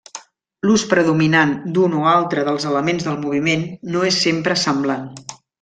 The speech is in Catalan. L'ús predominant d'un o altre dels elements del moviment no és sempre semblant.